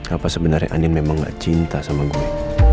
apa sebenarnya anim memang gak cinta sama gue